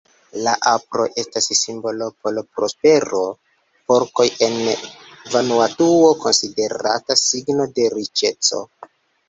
La apro estas simbolo por prospero, porkoj en Vanuatuo konsideratas signo de riĉeco.